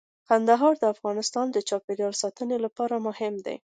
کندهار د افغانستان د چاپیریال ساتنې لپاره مهم دي.